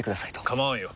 構わんよ。